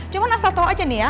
cuma asal tau aja nih ya